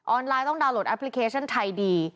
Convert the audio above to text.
ไลน์ต้องดาวนโหลดแอปพลิเคชันไทยดี